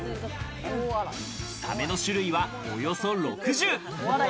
サメの種類は、およそ６０。